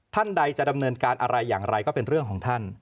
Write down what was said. ท่านใดจะดำเนินการอะไรอย่างไรก็เป็นเรื่องของท่าน